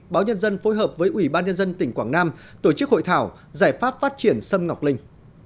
báo nhân dân phối hợp với ủy ban nhân dân tỉnh quảng nam tổ chức hội thảo giải pháp phát triển sâm ngọc linh